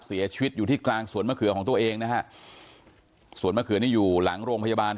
เสียชีวิตอยู่ที่กลางสวนมะเขือของตัวเองนะฮะสวนมะเขือนี่อยู่หลังโรงพยาบาล